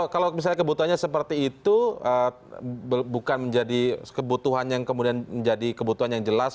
kalau misalnya kebutuhannya seperti itu bukan menjadi kebutuhan yang kemudian menjadi kebutuhan yang jelas